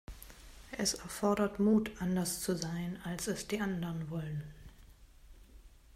Es erfordert Mut, anders zu sein, als es die anderen wollen.